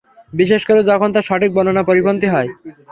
বিশেষ করে যখন তা সঠিক বর্ণনার পরিপন্থী হয়।